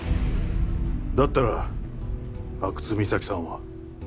だったら阿久津実咲さんは？